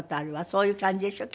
そういう感じでしょ？